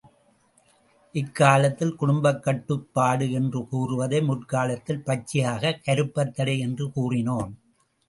இக் காலத்தில் குடும்பக்கட்டுப்பாடு என்று கூறுவதை முற்காலத்தில் பச்சையாகக் கருப்பத்தடை என்று கூறினோம்.